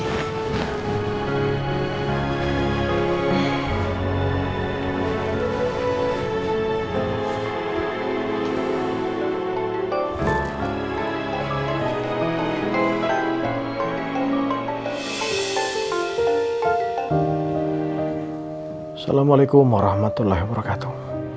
assalamualaikum warahmatullahi wabarakatuh